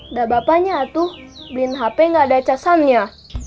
udah bapanya atu beliin hp ga ada casannya